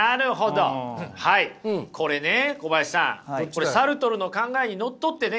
これサルトルの考えにのっとってね